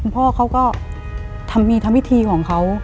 พ่อเขาก็มีทำวิธีของเขา